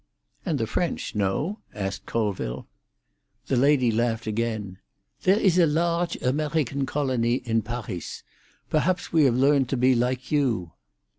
"And the French, no?" asked Colville. The lady laughed again. "There is a large Amerhican colony in Parhis. Perhaps we have learned to be like you."